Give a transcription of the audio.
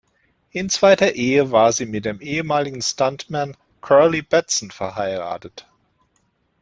In zweiter Ehe war sie mit dem ehemaligen Stuntman Curly Batson verheiratet.